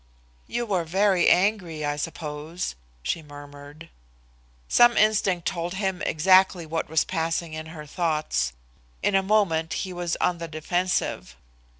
"You were very angry, I suppose?" she murmured. Some instinct told him exactly what was passing in her thoughts. In a moment he was on the defensive.